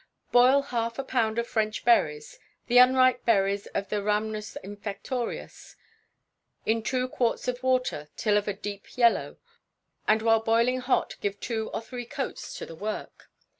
Boil half a pound of French Berries (the unripe berries of the rhamnus infectorius) in two quarts of water till of a deep yellow, and while boiling hot give two or three coats to the work.